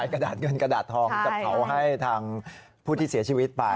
กระดาษเงินกระดาษทองจะเผาให้ทางผู้ที่เสียชีวิตไป